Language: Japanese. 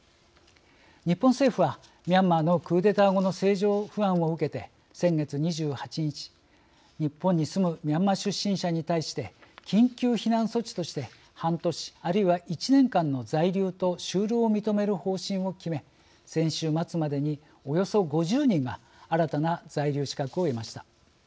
日本政府はミャンマーのクーデター後の政情不安を受けて先月２８日日本に住むミャンマー出身者に対して緊急避難措置として半年あるいは１年間の在留と就労を認める方針を決め先週末までにおよそ５０人が新たな在留資格を得ました。